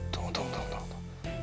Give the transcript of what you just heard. tunggu tunggu tunggu